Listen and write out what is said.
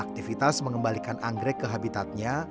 aktivitas mengembalikan anggrek ke habitatnya